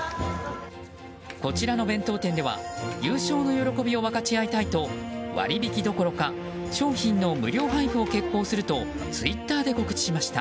こちらの弁当店では優勝の喜びを分かち合いたいと割引どころか商品の無料配布を決行するとツイッターで告知しました。